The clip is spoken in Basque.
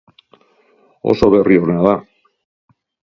Oso berri ona da.